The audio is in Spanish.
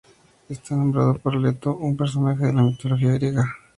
Está nombrado por Leto, un personaje de la mitología griega.